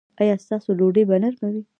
ایا ستاسو ډوډۍ به نرمه وي؟